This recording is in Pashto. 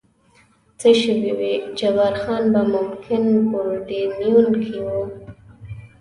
څه شوي وي، جبار خان به ممکن په پورډینون کې و.